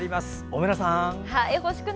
小村さん。